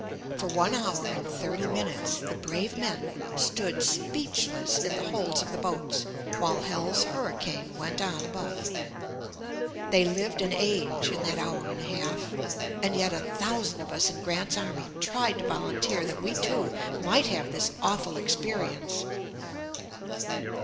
For one hour and thirty minutes the brave men stood speechless in the holds of the boats while hell's hurricane went on above. They lived an age in that hour and a half, and yet a thousand of us in Grant's army tried to volunteer that we, too, might have this awful experience.